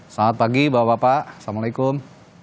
selamat pagi bapak bapak assalamualaikum